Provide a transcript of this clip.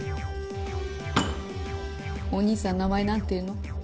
お兄さん名前なんて言うの？